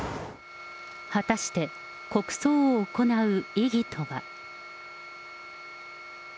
果たして、国葬を行う意義とは。